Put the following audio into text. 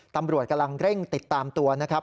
ตำรวจกำลังเร่งติดตามตัวนะครับ